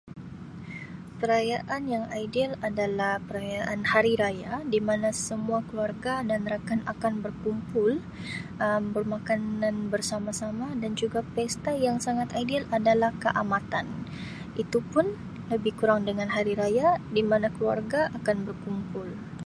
Perayaan yang ideal adalah perayaan hari raya di mana semua keluarga dan rakan akan berkumpul Um bermakanan bersama-sama dan juga pesta yang sangat ideal adalah Kaamatan, itu pun lebih kurang dengan hari raya di mana keluarga akan berkumpul.